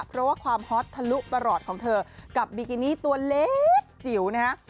เพราะว่าความฮอตทะลุประหลอดของเธอกับบิกินี่ตัวเล็กจิ๋วนะฮะ